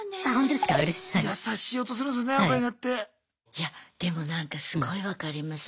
いやでもなんかすごい分かります。